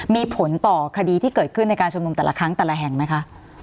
มีผลต่อคดีที่เกิดขึ้นในการชุมนุมแต่ละครั้งแต่ละแห่งไหมคะ